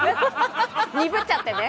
にぶっちゃってね。